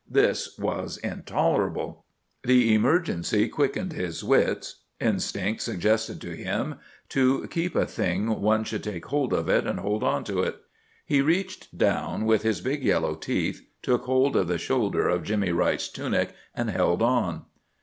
This was intolerable. The emergency quickened his wits. Instinct suggested to him that to keep a thing one should take hold of it and hold on to it. He reached down with his big yellow teeth, took hold of the shoulder of Jimmy Wright's tunic, and held on.